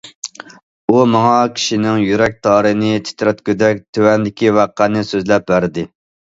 ئۇ ماڭا كىشىنىڭ يۈرەك تارىنى تىترەتكۈدەك تۆۋەندىكى ۋەقەنى سۆزلەپ بەردى.